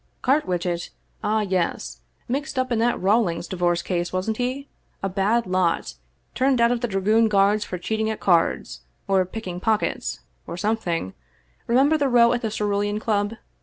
" Carwitchet ? Ah, yes. Mixed up in that Rawlings di vorce case, wasn't he? A bad lot. Turned out of the Dragoon Guards for cheating at cards, or picking pockets, or something — remember the row at the Cerulean Club?